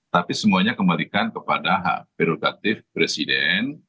tapi semuanya kembalikan kepada hak prerogatif presiden